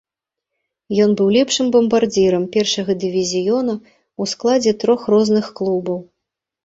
Ён быў лепшым бамбардзірам першага дывізіёна ў складзе трох розных клубаў.